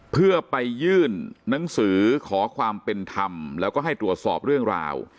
เพื่อไปยื่นหนังสือขอความเป็นธรรมแล้วก็ให้ตรวจสอบเรื่องราว